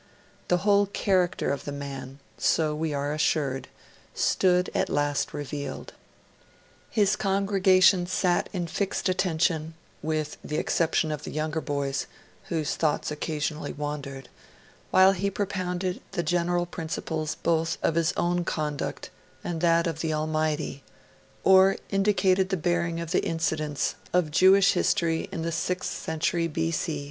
The whole character of the man so we are assured stood at last revealed. His congregation sat in fixed attention (with the exception of the younger boys, whose thoughts occasionally wandered), while he propounded the general principles both of his own conduct and that of the Almighty, or indicated the bearing of the incidents of Jewish history in the sixth century B.C.